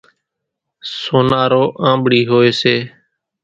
سونارو آنٻڙِي هوئيَ سي۔